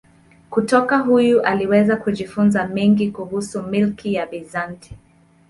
Kutoka huyu aliweza kujifunza mengi kuhusu milki ya Bizanti.